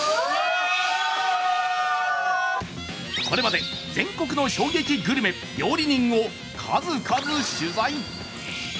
これまで、全国の笑撃グルメ・料理人を数々取材。